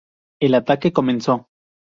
El ataque comenzó.